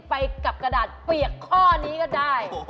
ไปกับกระดาษเปียกข้อนี้ก็ได้